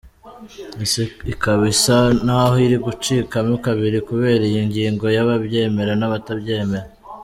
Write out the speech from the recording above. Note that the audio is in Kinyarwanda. Isi ikaba isa naho iri gucikamo kabiri kubera iyi ngingo y’ababyemera n’abatabyemera.